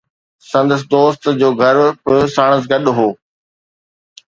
سندس دوست جو گهر به ساڻس گڏ هو.